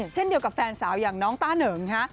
เช่นเดียวกับแฟนสาวอย่างน้องต้าเหนิงฮะ